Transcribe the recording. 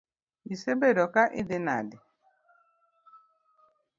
Isebedo ka idhi nade?